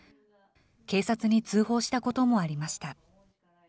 警察に通報したこともありました。